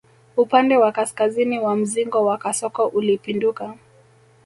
Upande wa kaskazini wa mzingo wa kasoko ulipinduka